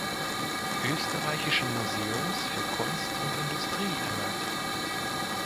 Österreichischen Museums für Kunst und Industrie ernannt.